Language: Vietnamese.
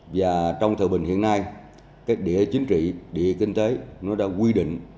và trong thời bình hiện nay các địa chính trị địa kinh tế nó đã quy định